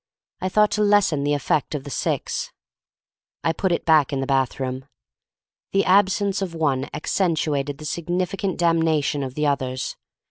I thought to lessen the effect of the six. I put it back in the bathroom. The absence of one accentuated the significant damnation of the others.